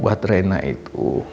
buat rena itu